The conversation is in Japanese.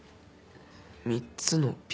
３つのＰ。